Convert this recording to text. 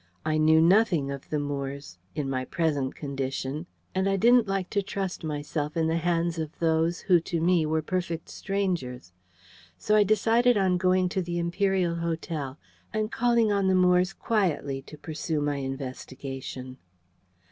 I knew nothing of the Moores in my present condition and I didn't like to trust myself in the hands of those who to me were perfect strangers. So I decided on going to the Imperial Hotel, and calling on the Moores quietly to pursue my investigation.